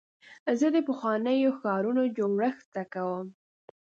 زه د پخوانیو ښارونو جوړښت زده کوم.